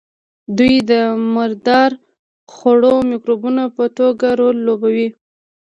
دوی د مردار خورو مکروبونو په توګه رول لوبوي.